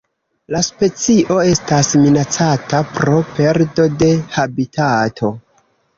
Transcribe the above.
La specio estas minacata pro perdo de habitato.